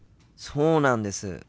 そうなんです。